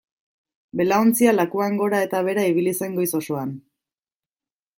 Belaontzia lakuan gora eta behera ibili zen goiz osoan.